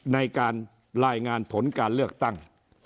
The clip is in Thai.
ในการรายงานผลการเลือกตั้ง